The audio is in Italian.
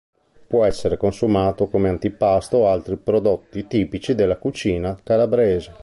Può essere consumato come antipasto o altri prodotti tipici della cucina calabrese.